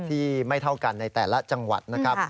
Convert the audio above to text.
ที่ไม่เท่ากันในแต่ละจังหวัดนะครับ